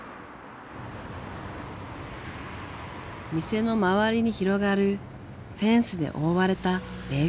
店の周りに広がるフェンスで覆われた米軍基地。